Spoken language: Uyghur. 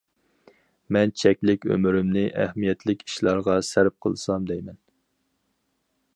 مەن چەكلىك ئۆمرۈمنى ئەھمىيەتلىك ئىشلارغا سەرپ قىلسام دەيمەن.